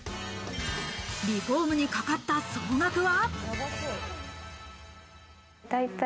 リフォームにかかった総額は？